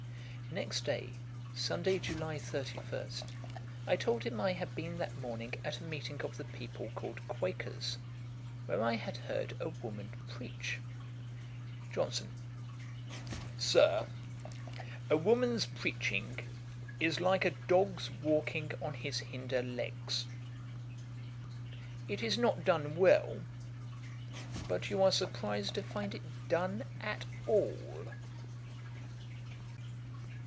Next day, Sunday, July 31, I told him I had been that morning at a meeting of the people called Quakers, where I had heard a woman preach. JOHNSON. 'Sir, a woman's preaching is like a dog's walking on his hinder legs. It is not done well; but you are surprized to find it done at all.'